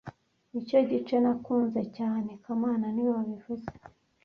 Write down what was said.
Nicyo gice nakunze cyane kamana niwe wabivuze